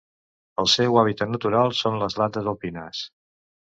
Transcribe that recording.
El seu hàbitat natural són les landes alpines.